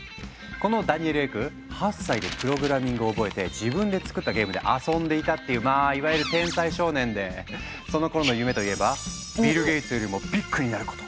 このダニエル・エク８歳でプログラミングを覚えて自分で作ったゲームで遊んでいたっていうまあいわゆる天才少年でそのころの夢といえば「ビル・ゲイツよりもビッグになること」だったとか。